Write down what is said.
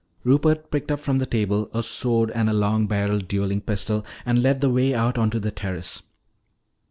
Rupert picked up from the table a sword and a long barrelled dueling pistol and led the way out onto the terrace.